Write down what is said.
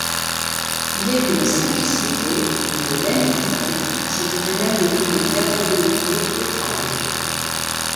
Il est d'une simplicité, d'une limpidité, je dirai même d'une diaphanéité étranges.